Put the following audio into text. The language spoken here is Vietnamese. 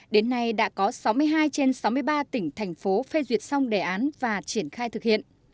đến nay đã có sáu mươi hai trên sáu mươi ba tỉnh thành phố phê duyệt xong đề án và triển khai thực hiện